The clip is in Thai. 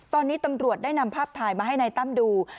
ตอนนี้ตำรวจได้นำภาพถ่ายมาให้นายตั้มดู